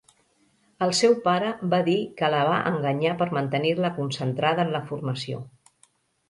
El seu pare va dir que la va enganyar per mantenir-la concentrada en la formació.